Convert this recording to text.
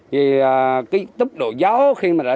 vì cái tốc độ gió khi mà đã